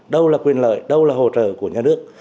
đâu là quyền lợi đâu là hỗ trợ của nhà nước